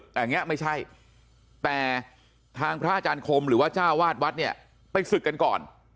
แต่อย่างนี้ไม่ใช่แต่ทางพระอาจารย์คมหรือว่าเจ้าวาดวัดเนี่ยไปศึกกันก่อน